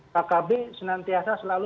kkb senantiasa selalu